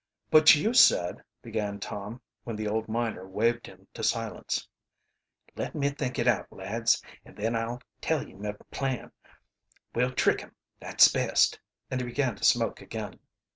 "But you said " began Tom, when the old miner waved him to silence. "Let me think it out, lads, and then I'll tell ye my plan. We'll trick 'em that's best," and he began to smoke again.